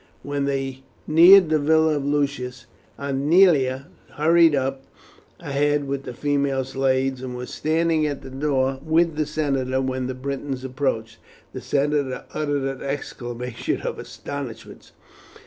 When they neared the villa of Lucius, Aemilia hurried on ahead with the female slaves, and was standing at the door with the senator when the Britons approached. The senator uttered an exclamation of astonishment.